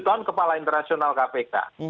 tujuh tahun kepala internasional kpk